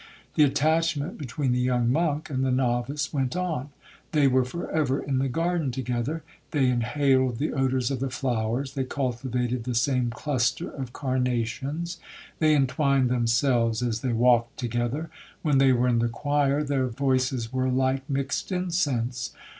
The attachment between the young monk and the novice went on. They were for ever in the garden together—they inhaled the odours of the flowers—they cultivated the same cluster of carnations—they entwined themselves as they walked together—when they were in the choir, their voices were like mixed incense.